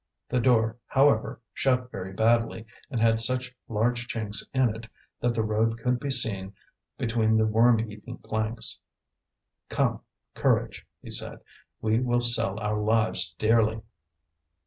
The door, however, shut very badly, and had such large chinks in it, that the road could be seen between the worm eaten planks. "Come, courage!" he said. "We will sell our lives dearly."